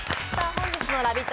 本日のラヴィット！